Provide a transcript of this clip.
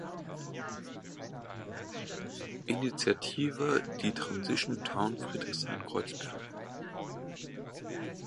Initiative die Transition Town Friedrichshain-Kreuzberg.